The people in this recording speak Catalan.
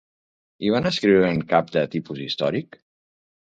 I van escriure'n cap de tipus històric?